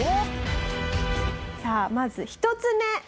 さあまず１つ目。